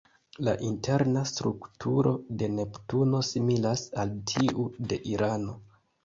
La interna strukturo de Neptuno similas al tiu de Urano.